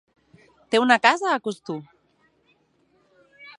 Té una casa a Costur.